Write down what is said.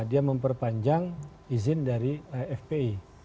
dia memperpanjang izin dari fpi